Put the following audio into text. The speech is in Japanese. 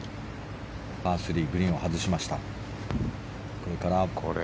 パー３、グリーンを外しました。